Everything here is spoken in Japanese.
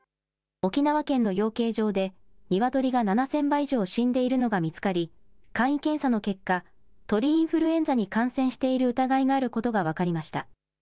沖縄県の養鶏場で、ニワトリが７０００羽以上死んでいるのが見つかり、簡易検査の結果、鳥インフルエンザに感染している疑いのあることが分かりました。